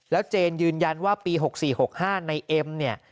เจนยืนยันว่าปี๖๔๖๕ในเอ็มเนี่ย